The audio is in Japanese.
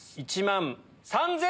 １万３３００円！